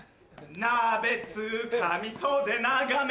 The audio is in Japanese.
鍋つかみ袖長め